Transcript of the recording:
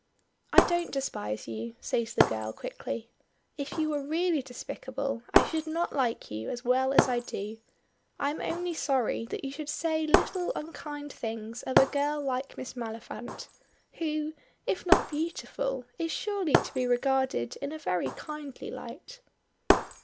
"I don't despise you," says the girl, quickly. "If you were really despicable I should not like you as well as I do; I am only sorry that you should say little unkind things of a girl like Miss Maliphant, who, if not beautiful, is surely to be regarded in a very kindly light."